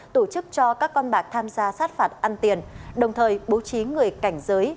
tổ chức cho các con bạc tham gia sát phạt ăn tiền đồng thời bố trí người cảnh giới